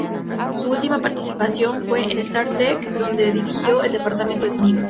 Su última participación fue en "Star Trek", donde dirigió el departamento de sonido.